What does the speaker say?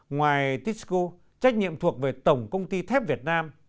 ngoài tisco trách nhiệm thuộc về tổng công ty thép việt nam